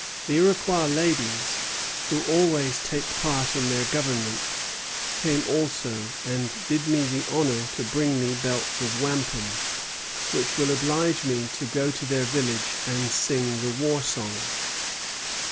The Iroquois ladies, who always take part in their government, came also, and did me the honor to bring me belts of wampum, which will oblige me to go to their village and sing the war song.